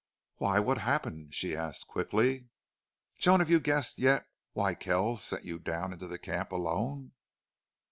"Why? What's happened?" she asked quickly. "Joan, have you guessed yet why Kells sent you down into camp alone?"